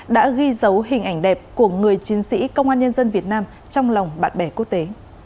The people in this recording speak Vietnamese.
đã ghi dấu hình ảnh đẹp của người chiến sĩ công an nhân dân việt nam trong lòng bạn bè quốc tế